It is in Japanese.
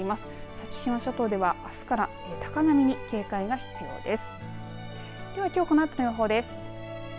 先島諸島ではあすから高波に警戒が必要です。